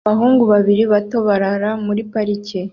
Abahungu babiri bato barara muri parike